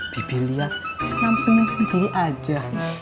bibi liat senyum senyum sendiri aja